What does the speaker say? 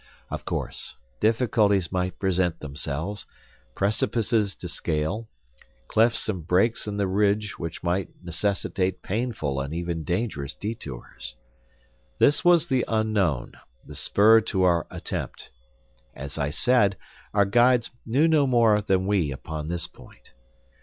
Of course, difficulties might present themselves, precipices to scale, clefts and breaks in the ridge might necessitate painful and even dangerous detours. This was the unknown, the spur to our attempt. As I said, our guides knew no more than we upon this point.